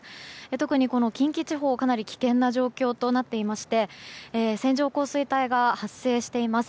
特に近畿地方はかなり危険な状況となっていまして線状降水帯が発生しています。